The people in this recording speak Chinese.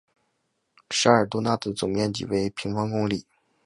沙尔多讷的总面积为平方公里。